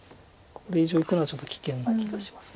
これ以上いくのはちょっと危険な気がします。